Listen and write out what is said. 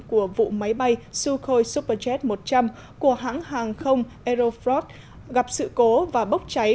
của vụ máy bay sukhoi superjet một trăm linh của hãng hàng không aeroflot gặp sự cố và bốc cháy